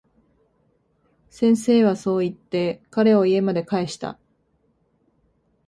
先生はそう言って、彼を家まで帰した。